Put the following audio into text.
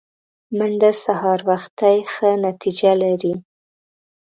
منډه سهار وختي ښه نتیجه لري